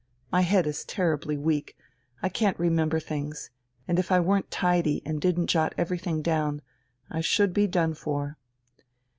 My head is terribly weak, it can't remember things, and if I weren't tidy and didn't jot everything down, I should be done for.